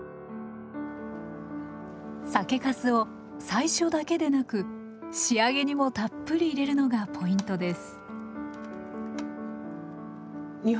酒粕を最初だけでなく仕上げにもたっぷり入れるのがポイントです。